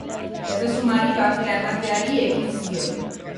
Erresumari bakea emateari ekin zion.